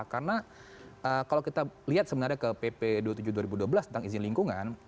karena kalau kita lihat sebenarnya ke pp dua puluh tujuh dua ribu dua belas tentang izin lingkungan